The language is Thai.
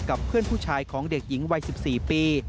กับเพื่อนผู้ชายของเด็กหญิงวัย๑๔ปี